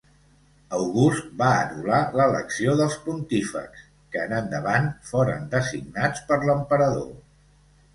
August va anul·lar l'elecció dels pontífexs, que en endavant foren designats per l'emperador.